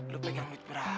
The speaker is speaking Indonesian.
lo pegang nut berapa